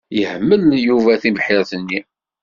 Yehmel Yuba tibḥirt-nni.